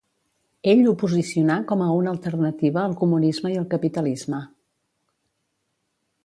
Ell ho posicionà com a una alternativa al comunisme i al capitalisme.